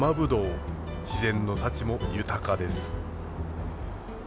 自然の幸も豊かです。